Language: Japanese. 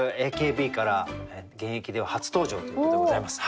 ＡＫＢから現役では初登場ということでございます。